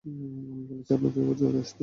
আমি বলছি আপনাকে, ওর জ্বর হয়েছে!